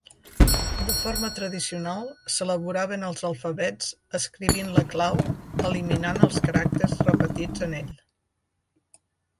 De forma tradicional s'elaboraven els alfabets escrivint la clau, eliminant els caràcters repetits en ell.